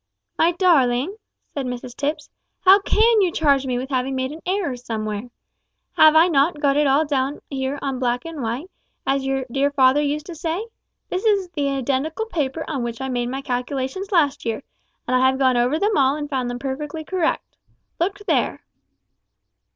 "My darling," said Mrs Tipps, "how can you charge me with having made an error somewhere? Have I not got it all down here on black and white, as your dear father used to say? This is the identical paper on which I made my calculations last year, and I have gone over them all and found them perfectly correct. Look there."